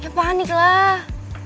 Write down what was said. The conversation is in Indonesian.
ya panik lah